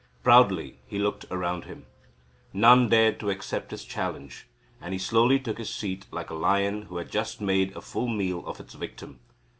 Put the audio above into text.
Proudly he looked around him. None dared to accept his challenge, and he slowly took his seat like a lion who had just made a full meal of its victim.